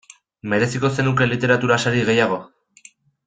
Mereziko zenuke literatura sari gehiago?